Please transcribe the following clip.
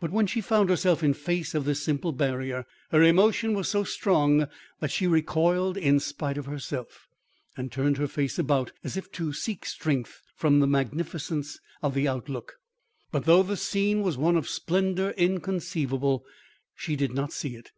But when she found herself in face of this simple barrier, her emotion was so strong that she recoiled in spite of herself, and turned her face about as if to seek strength from the magnificence of the outlook. But though the scene was one of splendour inconceivable, she did not see it.